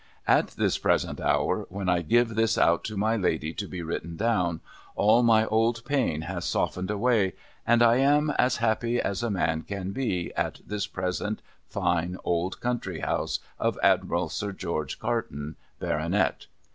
At this present hour, when I give this out to my Lady to be written down, all my old pain has softened away, and I am as happy as a man can be, at this present fine old country house of Admiral Sir George Carton, Baronet.